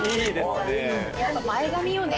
やっぱ前髪よね。